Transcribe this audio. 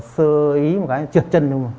sơ ý một cái trượt chân